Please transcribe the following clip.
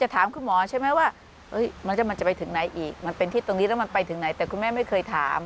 แต่คุณแม่ไม่เคยถาม